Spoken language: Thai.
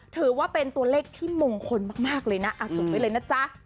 ถือว่าเป็นตัวเลขที่มงคลมากเลยนะจดไว้เลยนะจ๊ะ